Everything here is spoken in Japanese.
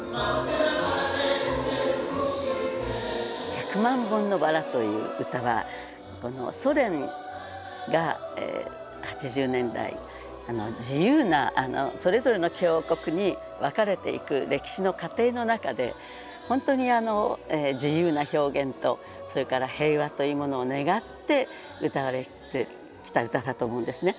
「百万本のバラ」という歌はソ連が８０年代自由なそれぞれの共和国に分かれていく歴史の過程の中で本当に自由な表現とそれから平和というものを願って歌われてきた歌だと思うんですね。